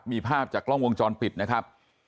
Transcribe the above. มีภาพจากกล้องวงจรปิดนะครับ